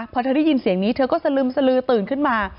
พอเธอได้ยินเสียงนี้เธอก็สลึมสลือตื่นขึ้นมา